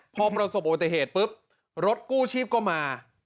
พอประสบอุบัติเหตุปุ๊บรถกู้ชีพก็มา